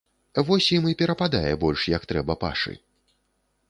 Вось ім і перападае больш як трэба пашы.